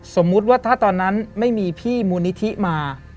สมมุติว่าถ้าตอนนั้นไม่มีพี่มูลนิธิมา